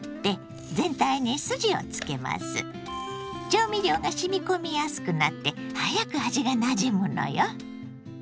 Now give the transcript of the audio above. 調味料がしみ込みやすくなって早く味がなじむのよ。